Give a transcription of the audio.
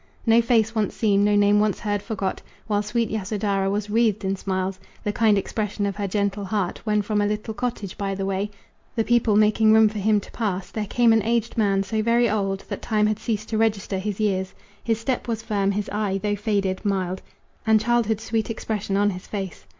No face once seen, no name once heard, forgot, While sweet Yasodhara was wreathed in smiles, The kind expression of her gentle heart, When from a little cottage by the way, The people making room for him to pass, There came an aged man, so very old That time had ceased to register his years; His step was firm, his eye, though faded, mild, And childhood's sweet expression on his face.